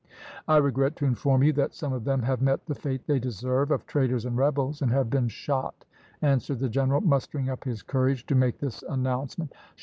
"I regret to inform you that some of them have met the fate they deserve, of traitors and rebels, and have been shot," answered the general, mustering up his courage to make this announcement.